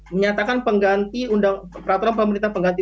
menyatakan peraturan pemerintah pengganti